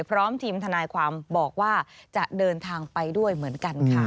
พร้อมทีมทนายความบอกว่าจะเดินทางไปด้วยเหมือนกันค่ะ